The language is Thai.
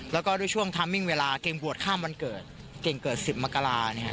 แล้วก็ด้วยช่วงเวลาเก่งบวชข้ามวันเกิดเก่งเกิด๑๐มกราคม